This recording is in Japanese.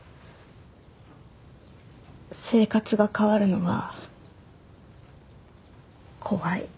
生活が変わるのは怖い。